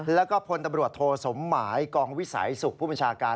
แล้วก็พลตำรวจโทสมหมายกองวิสัยสุขผู้บัญชาการ